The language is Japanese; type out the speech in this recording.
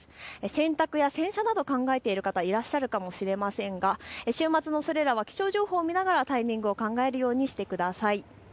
洗濯や洗車など考えている方、いらっしゃるかもしれませんが週末のそれらは気象情報を見てタイミングを考えるようにしてください。